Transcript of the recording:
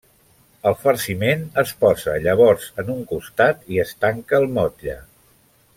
El farciment es posa llavors en un costat i es tanca el motlle.